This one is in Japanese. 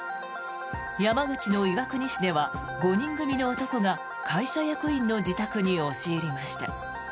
山口の岩国市では５人組の男が会社役員の自宅に押し入りました。